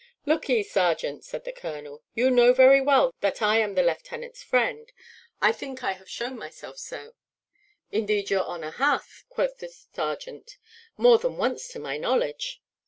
"Lookee, serjeant," said the colonel; "you know very well that I am the lieutenant's friend. I think I have shewn myself so." "Indeed your honour hath," quoth the serjeant, "more than once to my knowledge."